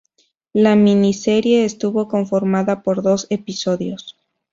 La miniserie estuvo conformada por dos episodios.